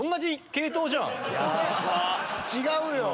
違うよ！